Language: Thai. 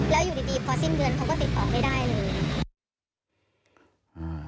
แล้วอยู่ดีพอสิ้นเดือนเขาก็ติดต่อไม่ได้เลย